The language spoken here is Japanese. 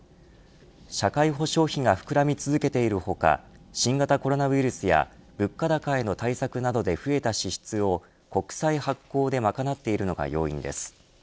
社会保障費が膨らみ続けている他新型コロナウイルスや物価高への対策などで増えた支出を国債発行で賄っているのが要因です。